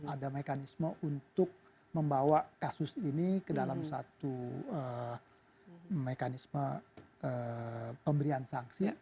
ada mekanisme untuk membawa kasus ini ke dalam satu mekanisme pemberian sanksi